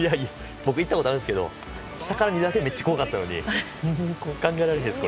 僕行ったことあるんですけど下から見るだけでもめっちゃ怖かったのに考えられないです。